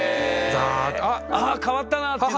あっ変わったなっていうのが？